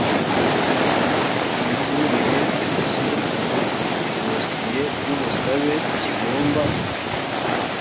imiturire gisuzuma i dosiye y ubusabe kigomba